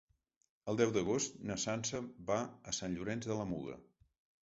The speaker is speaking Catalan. El deu d'agost na Sança va a Sant Llorenç de la Muga.